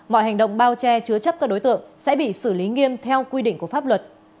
mọi hành động bao che chứa chấp các đối tượng sẽ bị xử lý nghiêm theo quy định của pháp luật